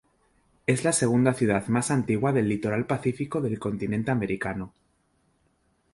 Es la segunda ciudad más antigua del litoral Pacífico del continente americano.